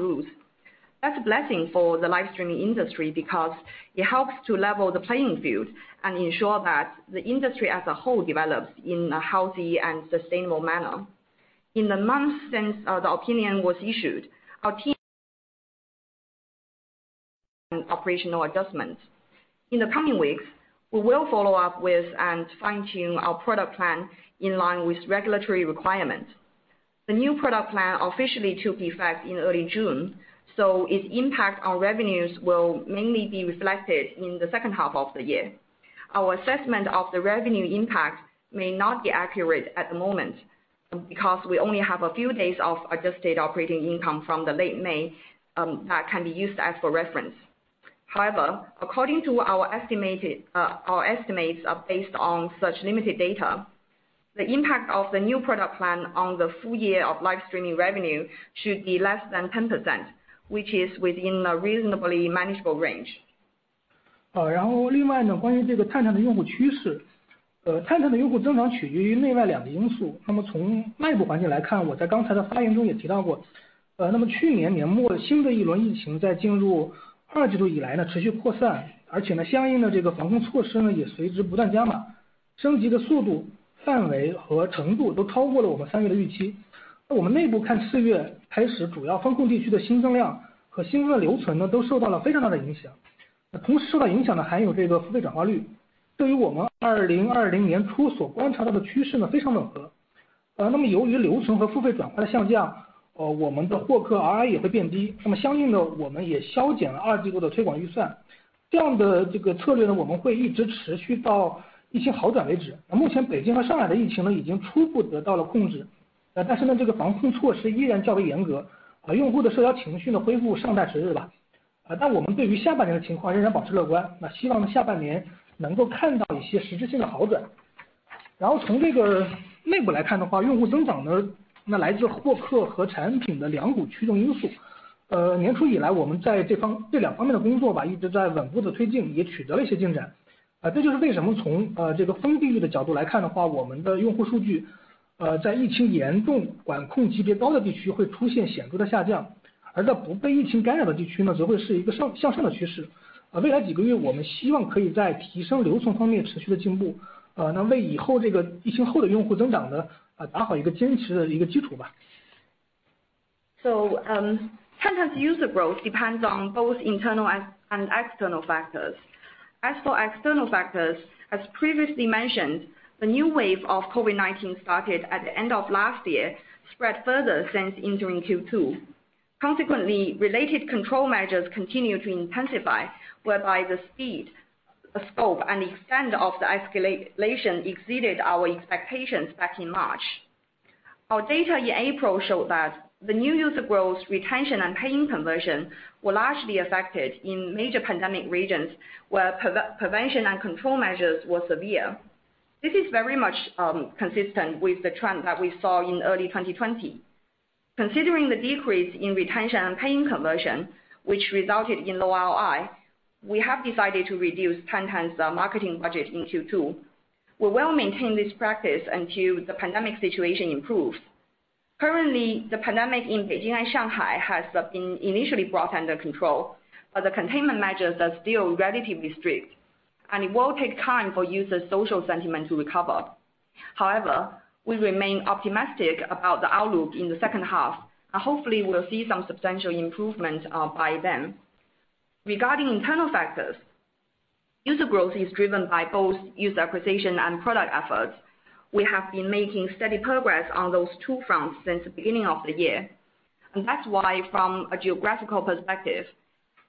rules. That's a blessing for the live streaming industry because it helps to level the playing field and ensure that the industry as a whole develops in a healthy and sustainable manner. In the months since the opinion was issued, our team operational adjustments. In the coming weeks, we will follow up with and fine-tune our product plan in line with regulatory requirements. The new product plan officially took effect in early June, so its impact on revenues will mainly be reflected in the second half of the year. Our assessment of the revenue impact may not be accurate at the moment, because we only have a few days of adjusted operating income from the late May, that can be used for reference. However, our estimates are based on such limited data. The impact of the new product plan on the full year of live streaming revenue should be less than 10%, which is within a reasonably manageable range. Content user growth depends on both internal and external factors. As for external factors, as previously mentioned, the new wave of COVID-19 started at the end of last year, spread further since entering Q2. Consequently, related control measures continued to intensify, whereby the speed, the scope, and extent of the escalation exceeded our expectations back in March. Our data in April showed that the new user growth, retention, and paying conversion were largely affected in major pandemic regions where prevention and control measures were severe. This is very much consistent with the trend that we saw in early 2020. Considering the decrease in retention and paying conversion, which resulted in low ROI, we have decided to reduce Tantan's marketing budget in Q2. We will maintain this practice until the pandemic situation improves. Currently, the pandemic in Beijing and Shanghai has been initially brought under control, but the containment measures are still relatively strict, and it will take time for users' social sentiment to recover. However, we remain optimistic about the outlook in the second half, and hopefully we'll see some substantial improvement by then. Regarding internal factors, user growth is driven by both user acquisition and product efforts. We have been making steady progress on those two fronts since the beginning of the year. That's why from a geographical perspective,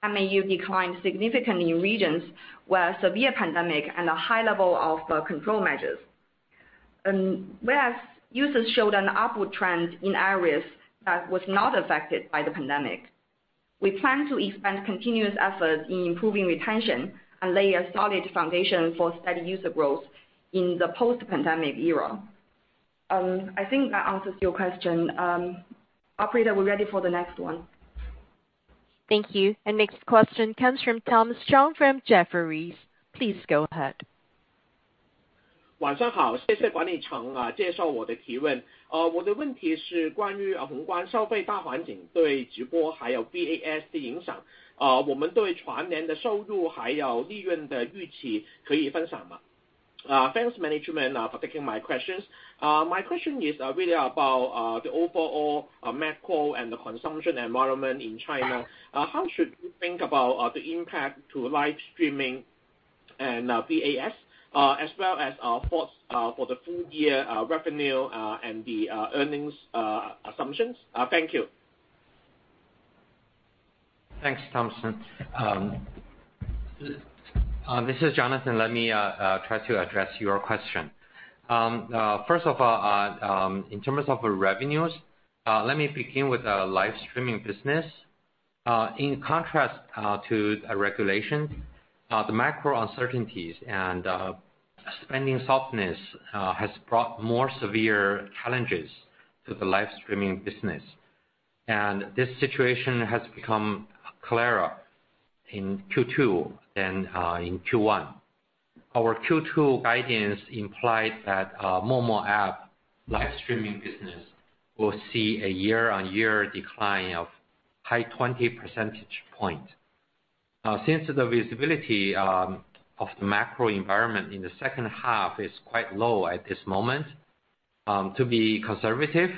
MAU declined significantly in regions where severe pandemic and a high level of control measures. Whereas users showed an upward trend in areas that was not affected by the pandemic. We plan to expand continuous effort in improving retention and lay a solid foundation for steady user growth in the post-pandemic era. I think that answers your question. Operator, we're ready for the next one. Thank you. Next question comes from Thomas Chong from Jefferies. Please go ahead. 晚上好。谢谢管理层接受我的提问。我的问题是关于宏观消费大环境对直播还有VAS的影响，我们对全年的收入还有利润的预期可以分享吗？Thanks, management, for taking my questions. My question is really about the overall macro and the consumption environment in China. How should we think about the impact to live streaming and VAS, as well as thoughts for the full year revenue and the earnings assumptions? Thank you. Thanks, Thomas. This is Jonathan. Let me try to address your question. First of all, in terms of revenues, let me begin with our live streaming business. In contrast to regulation, the macro uncertainties and spending softness has brought more severe challenges to the live streaming business. This situation has become clearer in Q2 than in Q1. Our Q2 guidance implies that Momo app live streaming business will see a year-over-year decline of high twenties percentage points. Since the visibility of the macro environment in the second half is quite low at this moment, to be conservative,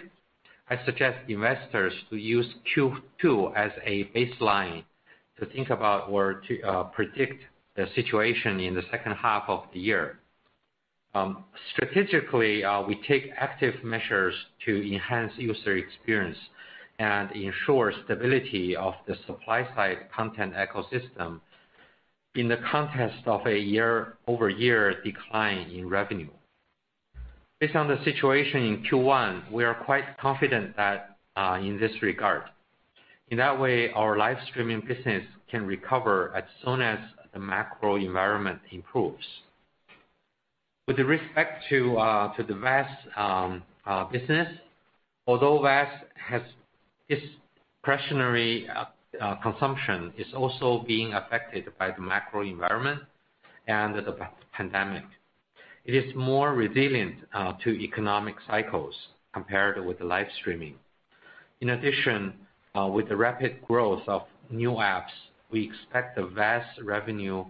I suggest investors to use Q2 as a baseline to think about or to predict the situation in the second half of the year. Strategically, we take active measures to enhance user experience and ensure stability of the supply side content ecosystem in the context of a year-over-year decline in revenue. Based on the situation in Q1, we are quite confident that in this regard. In that way, our live streaming business can recover as soon as the macro environment improves. With respect to the VAS business, although VAS has this discretionary consumption is also being affected by the macro environment and the pandemic, it is more resilient to economic cycles compared with live streaming. In addition, with the rapid growth of new apps, we expect the VAS revenue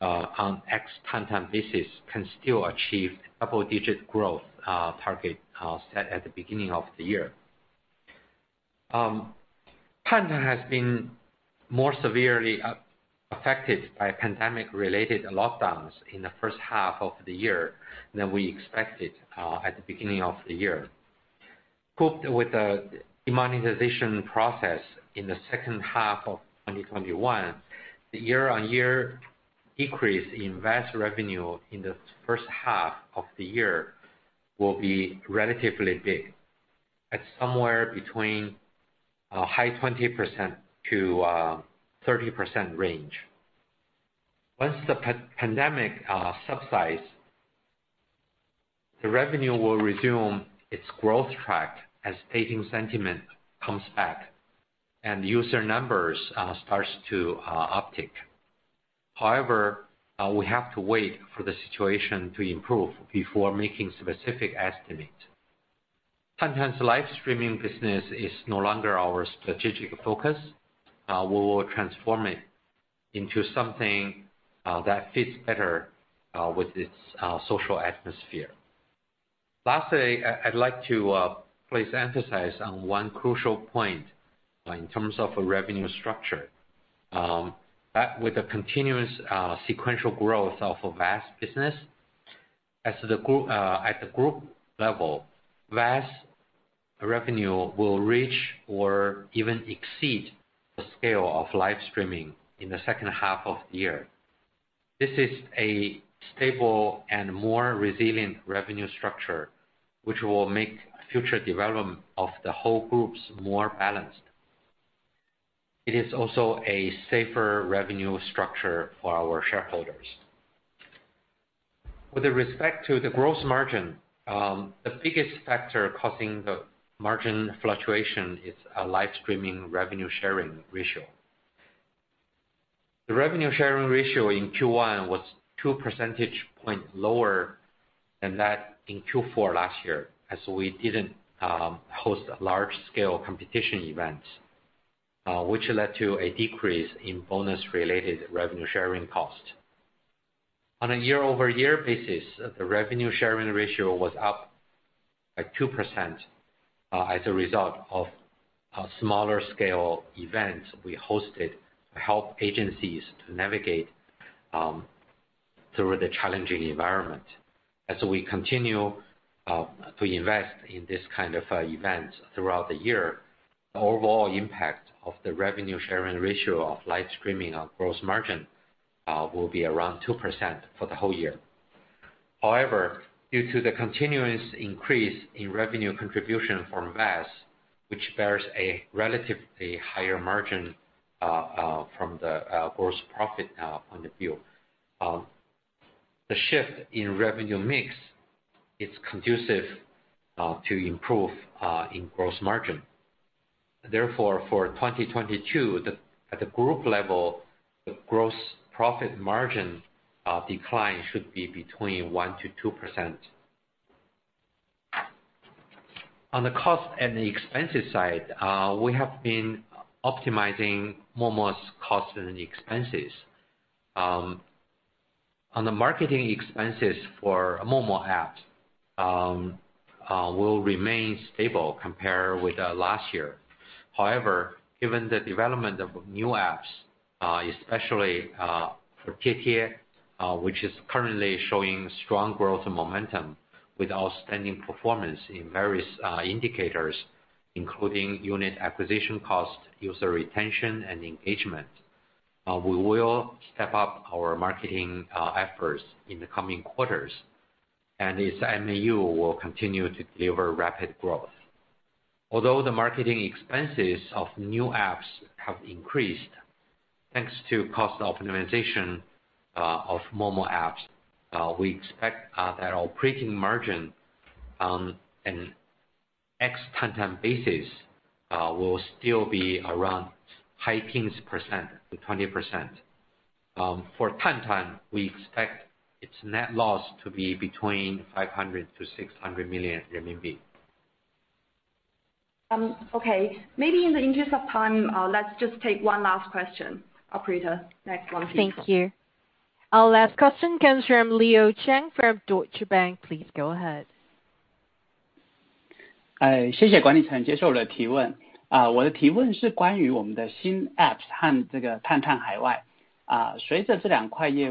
on ex-Tantan basis can still achieve double-digit growth target set at the beginning of the year. Tantan has been more severely affected by pandemic-related lockdowns in the first half of the year than we expected at the beginning of the year. Coupled with the demonetization process in the second half of 2021, the year-on-year decrease in VAS revenue in the first half of the year will be relatively big, at somewhere between a high 20%-30% range. Once the pandemic subsides, the revenue will resume its growth track as dating sentiment comes back and user numbers starts to uptick. However, we have to wait for the situation to improve before making specific estimate. Tantan's live streaming business is no longer our strategic focus. We will transform it into something that fits better with its social atmosphere. Lastly, I'd like to please emphasize on one crucial point in terms of a revenue structure. With the continuous sequential growth of VAS business, as at the group level, VAS revenue will reach or even exceed the scale of live streaming in the second half of the year. This is a stable and more resilient revenue structure, which will make future development of the whole groups more balanced. It is also a safer revenue structure for our shareholders. With respect to the gross margin, the biggest factor causing the margin fluctuation is live streaming revenue sharing ratio. The revenue sharing ratio in Q1 was 2 percentage points lower than that in Q4 last year, as we didn't host large-scale competition events, which led to a decrease in bonus-related revenue sharing cost. On a year-over-year basis, the revenue sharing ratio was up by 2%, as a result of a smaller scale events we hosted to help agencies to navigate through the challenging environment. As we continue to invest in this kind of events throughout the year, the overall impact of the revenue sharing ratio of live streaming on gross margin will be around 2% for the whole year. However, due to the continuous increase in revenue contribution from VAS, which bears a relatively higher margin, from the gross profit point of view. The shift in revenue mix is conducive to improve in gross margin. Therefore, for 2022, at the group level, the gross profit margin decline should be between 1%-2%. On the cost and the expenses side, we have been optimizing Momo's costs and expenses. On the marketing expenses for Momo apps, will remain stable compared with last year. However, given the development of new apps, especially for Tietie, which is currently showing strong growth momentum with outstanding performance in various indicators, including user acquisition cost, user retention and engagement, we will step up our marketing efforts in the coming quarters, and its MAU will continue to deliver rapid growth. Although the marketing expenses of new apps have increased, thanks to cost optimization of Momo apps, we expect that operating margin on an ex-Tantan basis will still be around high teens percent to 20%. For Tantan, we expect its net loss to be between 500 million-600 million RMB. Okay. Maybe in the interest of time, let's just take one last question. Operator, next one please. Thank you. Our last question comes from Leo Chiang from Deutsche Bank. Please go ahead. Thanks management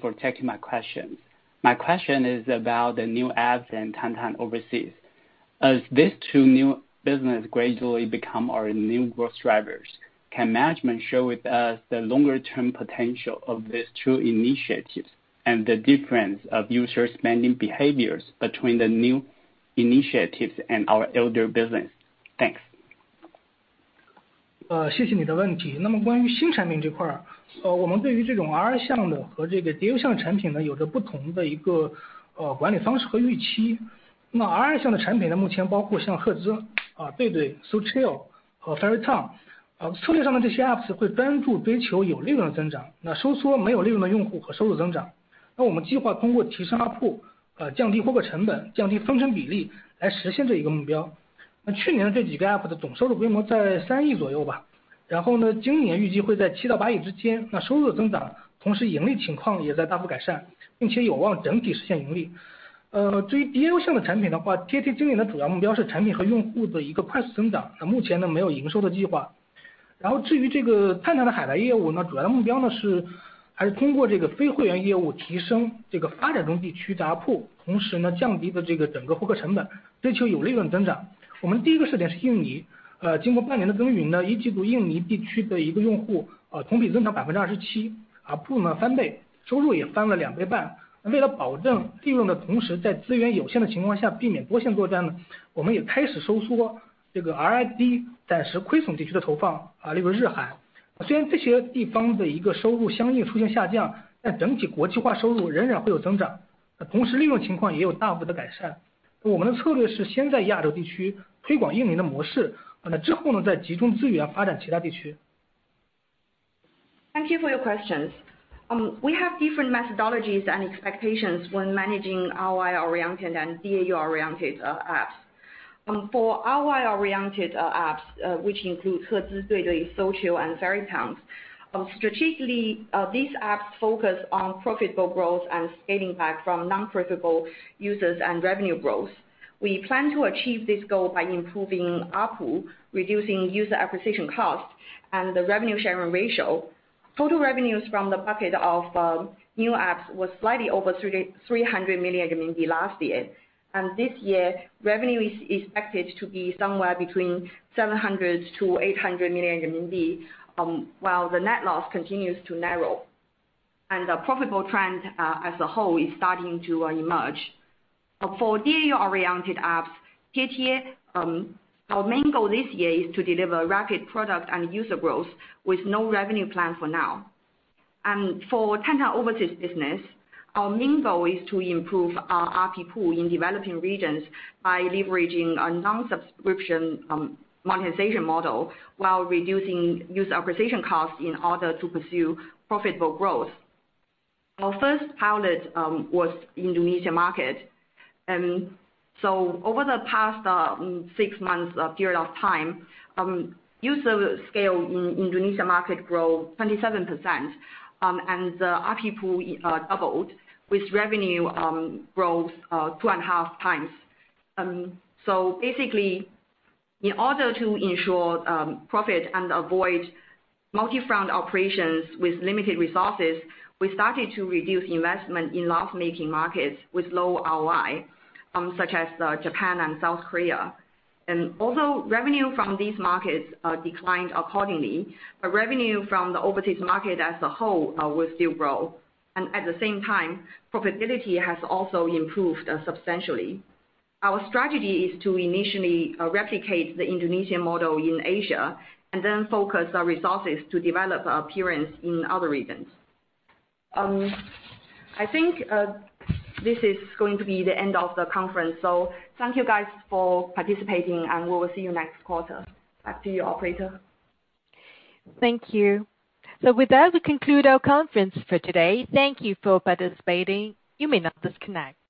for taking my question. My question is about the new apps in Tantan Overseas. As these two new businesses gradually become our new growth drivers, can management share with us the longer term potential of these two initiatives and the difference of user spending behaviors between the new initiatives and our older business? Thanks. Thank you for your questions. We have different methodologies and expectations when managing ROI oriented and DAU oriented apps. For ROI oriented apps, which includes Hertz, Duidui, SoulChill and Fairytown. Strategically, these apps focus on profitable growth and scaling back from non-profitable users and revenue growth. We plan to achieve this goal by improving ARPU, reducing user acquisition costs and the revenue sharing ratio. Total revenues from the bucket of new apps was slightly over 300 million RMB last year. This year, revenue is expected to be somewhere between 700 million-800 million RMB, while the net loss continues to narrow. The profitable trend as a whole is starting to emerge. For DAU oriented apps, our main goal this year is to deliver rapid product and user growth with no revenue plan for now. For our overseas business, our main goal is to improve our ARPU in developing regions by leveraging a non-subscription monetization model while reducing user acquisition costs in order to pursue profitable growth. Our first pilot was Indonesia market. Over the past six months period of time, user scale in Indonesia market grow 27%, and the ARPU doubled with revenue growth 2.5 times. Basically, in order to ensure profit and avoid multi-front operations with limited resources, we started to reduce investment in loss-making markets with low ROI, such as Japan and South Korea. Although revenue from these markets declined accordingly, but revenue from the overseas market as a whole will still grow. At the same time, profitability has also improved substantially. Our strategy is to initially replicate the Indonesian model in Asia and then focus our resources to develop peer in other regions. I think this is going to be the end of the conference. Thank you guys for participating, and we will see you next quarter. Back to you, Operator. Thank you. With that, we conclude our conference for today. Thank you for participating. You may now disconnect.